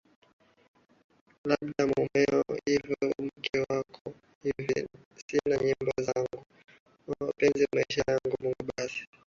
labda mumeo hivi mke wako hivi sina Nyimbo yangu mapenzi maisha Mungu basi